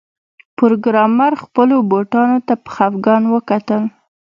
پروګرامر خپلو بوټانو ته په خفګان وکتل